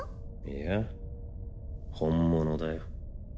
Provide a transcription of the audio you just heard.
いや本物だよ